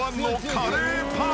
カレーパン？